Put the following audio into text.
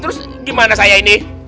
terus gimana saya ini